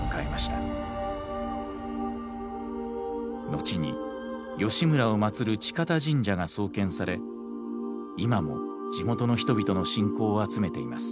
後に義村をまつる近殿神社が創建され今も地元の人々の信仰を集めています。